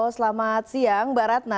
selamat siang mbak ratna